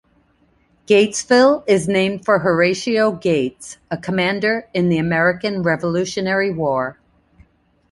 Gatesville is named for Horatio Gates, a commander in the American Revolutionary War.